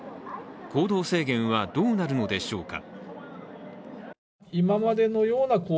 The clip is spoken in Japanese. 行動制限はどうなるのでしょうか。